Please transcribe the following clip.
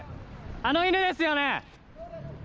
あの犬ですよね？